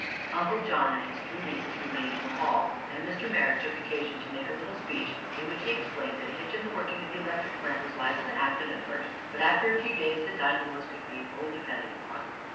Uncle John and his three nieces remained in the hall, and Mr. Merrick took occasion to make a little speech in which he explained that a hitch in the working of the electric plant was liable to happen at first, but after a few days the dynamos could be fully depended upon.